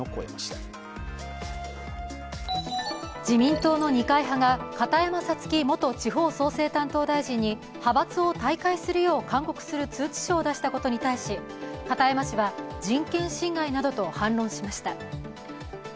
自民党の二階派が片山さつき元地方創生担当大臣に派閥を退会するよう、勧告する通知書を出したことに対し片山氏は人権侵害などと反論しました。